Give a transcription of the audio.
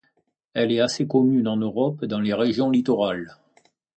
Elle est assez commune en Europe dans les régions littorales.